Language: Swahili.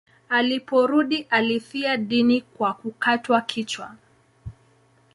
Aliporudi alifia dini kwa kukatwa kichwa.